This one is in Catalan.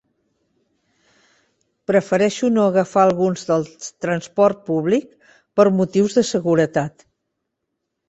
Prefereixo no agafar alguns dels transport públic per motius de seguretat.